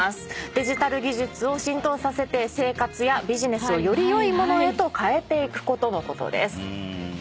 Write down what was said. デジタル技術を浸透させて生活やビジネスをより良いものへと変えていくことのことです。